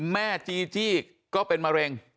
แม่จีจี้ก็เป็นมะเร็ง